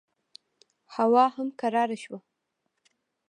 هوا هم قراره شوه.